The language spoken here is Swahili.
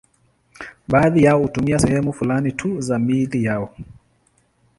Baadhi yao hutumia sehemu fulani tu za miili yao.